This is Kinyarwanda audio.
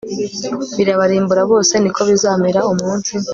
birabarimbura bose Ni ko bizamera umunsi